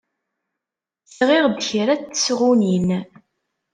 Sɣiɣ-d kra n tesɣunin.